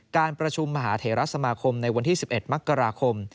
การประชุมมหาเถระสมาคมในวันที่๑๑มกราคม